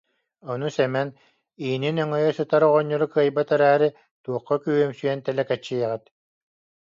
Ону Сэмэн: «Иинин өҥөйө сытар оҕонньору кыайбат эрээри, туохха күүһүмсүйэн тэлэкэччийэҕит